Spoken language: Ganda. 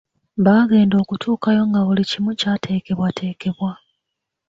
Baagenda okutuukayo nga buli kimu kyatekebwatekebwa.